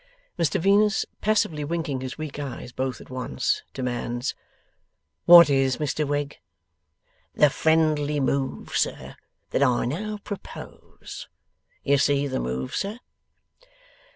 Mr Venus, passively winking his weak eyes both at once, demands: 'What is, Mr Wegg?' 'The friendly move, sir, that I now propose. You see the move, sir?